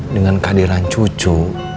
dengan kehadiran cucu